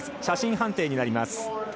写真判定になります。